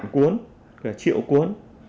cuốn cả triệu cuốn